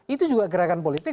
itu juga gerakan politik